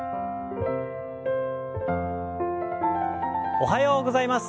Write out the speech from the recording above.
おはようございます。